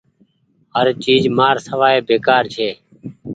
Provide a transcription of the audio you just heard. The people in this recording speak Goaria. هر چئيز مآر سوائي بيڪآر ڇي۔